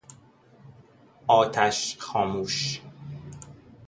آتش خاموش